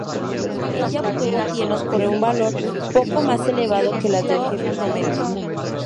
Ella obtuvo tierras por un valor poco más elevado que las del jefe promedio.